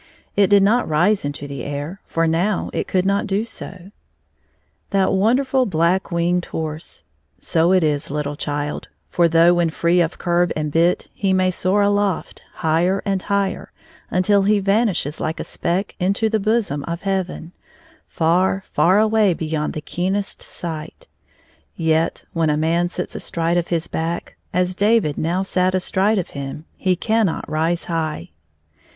It did not rise into the air, for now it could not do so. That wonderM Black Winged Horse. So it IB, little child ; for though, when free of curb and bit, he may soar aloft, higher and higher, until he vanishes like a speck into the bosom of heaven, far, far away beyond the keenest sight, yet, when a man sits astride of his back, as David now sat astride of him, be cannot rise high.